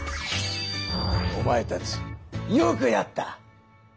おまえたちよくやった！